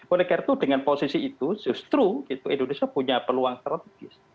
oleh karena itu dengan posisi itu justru indonesia punya peluang strategis